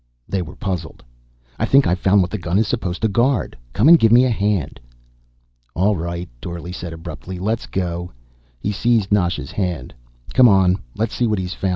They were puzzled. "I think I've found what the gun is supposed to guard. Come and give me a hand." "All right," Dorle said abruptly. "Let's go." He seized Nasha's hand. "Come on. Let's see what he's found.